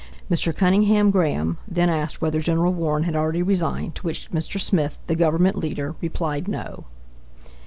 Mr. Cunningham Graham then asked whether Gen. Warren had already resigned, to which Mr. Smith, the Government leader, replied no.